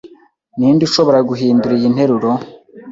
Ninde ushobora guhindura iyi nteruro?